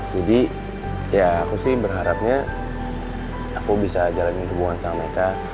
jadi ya aku sih berharapnya aku bisa jalanin hubungan sama mereka